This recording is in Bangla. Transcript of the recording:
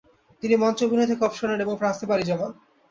তিনি মঞ্চ অভিনয় থেকে অবসর নেন এবং ফ্রান্সে পাড়ি জমান।